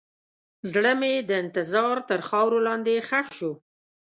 زړه مې د انتظار تر خاورو لاندې ښخ شو.